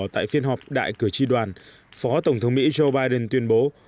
tại phiên họp đại cử tri đoàn phó tổng thống mỹ joe biden tuyên bố